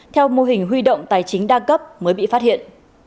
theo mô hình huy động tài chính đa cấp mới bị phát hiện